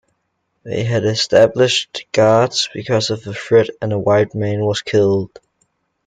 They had established guards because of the threat, and a white man was killed.